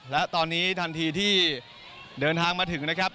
และตอนนี้ทันทีที่เดินทางมาถึงนะครับ